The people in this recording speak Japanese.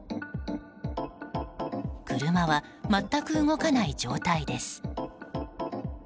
車は全く動かない状態です。